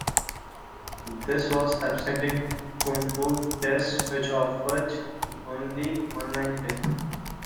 This was absent in Kung Fu Chess which offered only online play.